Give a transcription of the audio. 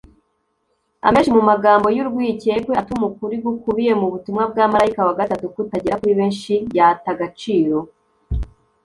amenshi mu magambo y'urwikekwe atuma ukuri gukubiye mu butumwa bwa marayika wa gatatu kutagera kuri benshi yata agaciro